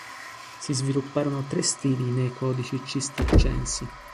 Si svilupparono tre stili nei codici cistercensi.